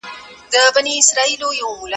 همدې امله، د فارسي یا دري عارفان د داسي تعلیم